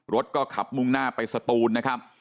รถก็ขับมุ่งหน้าไปสตูนนะครับ